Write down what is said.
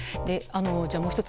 じゃあ、もう１つ。